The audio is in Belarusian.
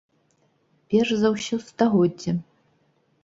Перш за ўсё, стагоддзем.